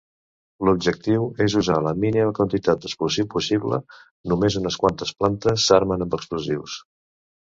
L'objectiu és usar la mínima quantitat d'explosiu possible; només unes quantes plantes s'armen amb explosius.